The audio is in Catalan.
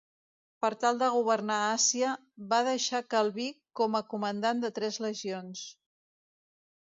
Per tal de governar Àsia, va deixar Calví com a comandant de tres legions.